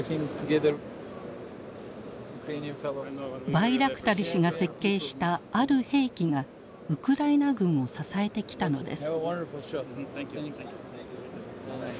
バイラクタル氏が設計したある兵器がウクライナ軍を支えてきたのです。